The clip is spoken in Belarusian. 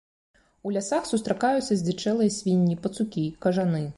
У лясах сустракаюцца здзічэлыя свінні, пацукі, кажаны.